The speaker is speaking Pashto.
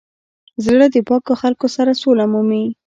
زړه د پاکو خلکو سره سوله مومي.